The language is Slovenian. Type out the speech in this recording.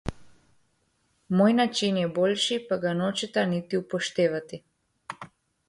Moj način je boljši, pa ga nočeta niti upoštevati.